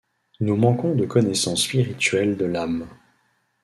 Nous manquons de connaissance spirituelle de l’âme.